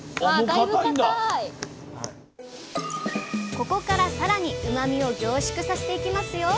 ここからさらにうまみを凝縮させていきますよ！